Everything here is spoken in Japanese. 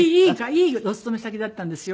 いいお勤め先だったんですよ。